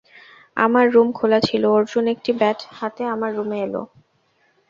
আমার রুম খোলা ছিল, অর্জুন একটি ব্যাট হাতে আমার রুমে এল।